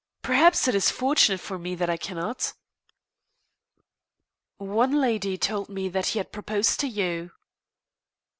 Perhaps it is fortunate for me that I cannot." "One lady told me that he had proposed to you."